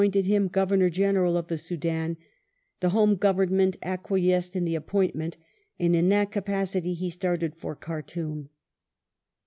Miles 1885] GORDON'S MISSION 503 Soudan, the Home Government acquiesced in the appointment, and in that capacity he started for Khartoum.